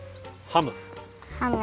ハム！